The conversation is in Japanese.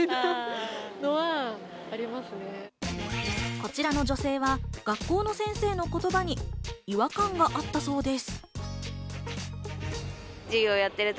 こちらの女性は学校の先生の言葉に違和感があったそうです。